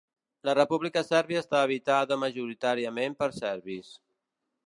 La República Sèrbia està habitada majoritàriament per serbis.